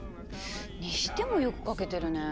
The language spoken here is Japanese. にしてもよく書けてるねえ。